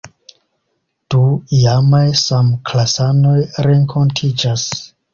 Du iamaj samklasanoj renkontiĝas.